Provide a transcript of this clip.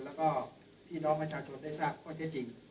แล้วก็พี่น้องประชาชนได้ทราบข้อเท็จจริง